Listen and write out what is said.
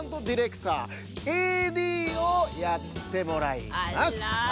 ディレクターＡＤをやってもらいます。